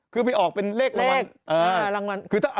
คือไปออกเป็นเลขรางวัล